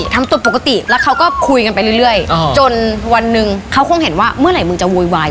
แต่ฟิวว่าเราก็เออฉันก็รักแฟนก็เลยไม่โวยวาย